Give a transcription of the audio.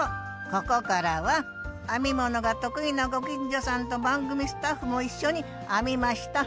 ここからは編み物が得意なご近所さんと番組スタッフも一緒に編みました。